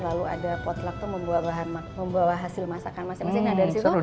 lalu ada potluck tuh membawa hasil masakan masing masing